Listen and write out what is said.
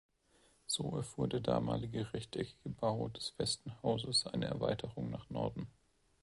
So erfuhr der damalige rechteckige Bau des Festen Hauses eine Erweiterung nach Norden.